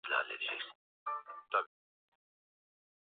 ration kubwa yenye lengo la kuwatimua kwenye misitu kadhaa kivu kusini